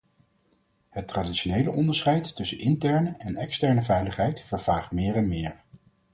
Het traditionele onderscheid tussen interne en externe veiligheid vervaagt meer en meer.